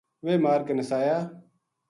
ویہ مار کے نسایا